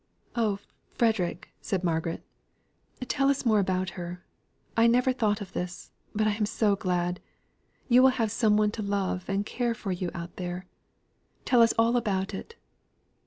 "Oh, Frederick," said Margaret, "tell us more about her. I never thought of this; but I am so glad. You will have some one to love and care for you out there. Tell us all about it."